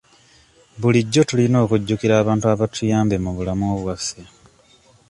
Bulijjo tulina okujjukira abantu abatuyambye mu bulamu bwaffe.